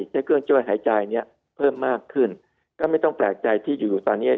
ใช้เครื่องช่วยหายใจเนี้ยเพิ่มมากขึ้นก็ไม่ต้องแปลกใจที่อยู่ตอนเนี้ย